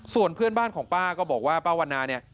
ส่วนเพื่อนบ้านของป้าก็บอกว่าป้าวันนาเนี่ย